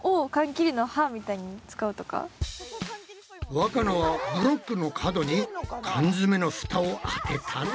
わかなはブロックの角に缶詰のフタをあてたぞ。